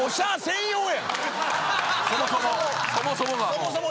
そもそも。